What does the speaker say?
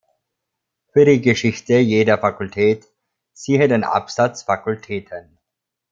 Für die Geschichte jeder Fakultät, siehe den Absatz „Fakultäten“.